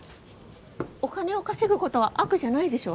お金を稼ぐことは悪じゃないでしょ。